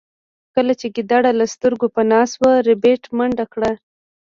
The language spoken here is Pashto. کله چې ګیدړ له سترګو پناه شو ربیټ منډه کړه